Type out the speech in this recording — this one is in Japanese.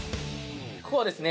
ここはですね